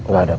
gak ada pak